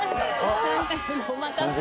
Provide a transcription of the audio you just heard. お待たせ。